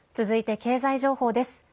続いて、経済情報です。